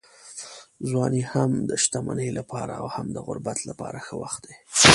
ځواني هم د شتمنۍ لپاره او هم د غربت لپاره ښه وخت دی.